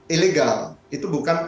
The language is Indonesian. ilegal itu bukan